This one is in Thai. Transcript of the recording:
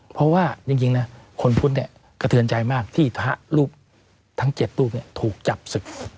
เพราะว่าจริงนะคนพุทธเนี่ยกระเทือนใจมากที่พระรูปทั้ง๗รูปถูกจับศึก